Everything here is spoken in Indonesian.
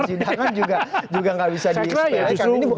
jangan juga gak bisa dipersepakan